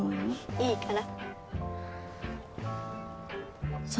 いいから。